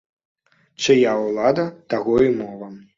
Чыя ўлада, таго і мова.